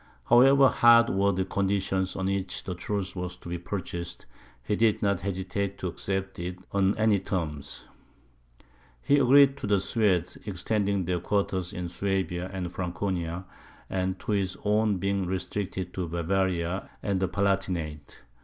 However hard were the conditions on which the truce was to be purchased, he did not hesitate to accept it on any terms. He agreed to the Swedes extending their quarters in Suabia and Franconia, and to his own being restricted to Bavaria and the Palatinate.